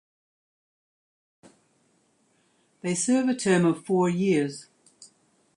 They serve a term of four years.